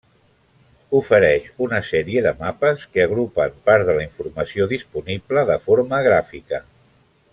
Ofereix una sèrie de mapes que agrupen part de la informació disponible de forma gràfica.